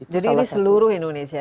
jadi ini seluruh indonesia